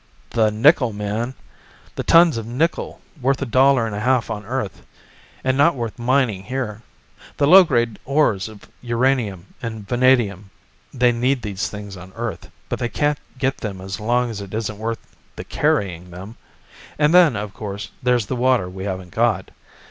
"The nickel, man, the tons of nickel worth a dollar and a half on Earth, and not worth mining here; the low grade ores of uranium and vanadium, they need these things on Earth, but they can't get them as long as it isn't worth the carrying of them. And then, of course, there's the water we haven't got.